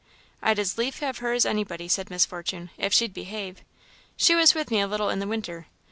"I'd as lief have her as anybody," said Miss Fortune, "if she'd behave. She was with me a little in the winter.